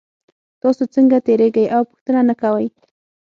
تاسو څنګه تیریږئ او پوښتنه نه کوئ